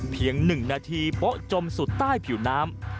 ๑นาทีโป๊ะจมสุดใต้ผิวน้ำ